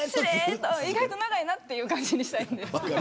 意外と長いなという感じにしたいです。